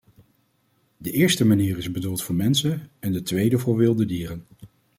De eerste manier is bedoeld voor mensen en de tweede voor wilde dieren.